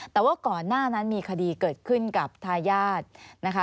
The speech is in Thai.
แต่ว่าก่อนหน้านั้นมีคดีเกิดขึ้นกับทายาทนะคะ